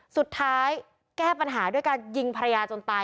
แก้ปัญหาด้วยการยิงภรรยาจนตาย